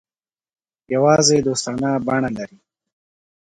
یوازې دوستانه بڼه لري.